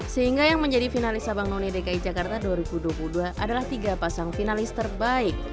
sehingga yang menjadi finalis abang none dki jakarta dua ribu dua puluh dua adalah tiga pasang finalis terbaik